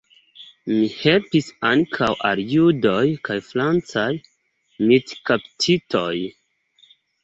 Li helpis ankaŭ al judoj kaj francaj militkaptitoj.